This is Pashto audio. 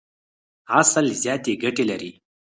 عسل زیاتي ګټي لري.